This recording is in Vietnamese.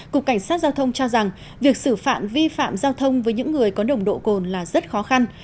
cục cảnh sát giao thông cho rằng việc xử phạt vi phạm giao thông với những người có nồng độ cồn là rất khó khăn